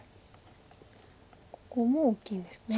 ここも大きいんですね。